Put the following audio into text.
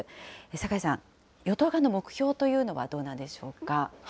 坂井さん、与党側の目標というのはどうなんでしょうか。